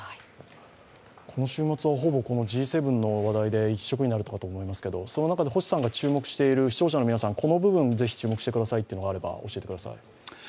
この週末はほぼこのＧ７の話題一色になると思いますけれどもその中で星さんが注目している、視聴者の皆さん、ぜひ注目してくださいというのがあれば教えてください。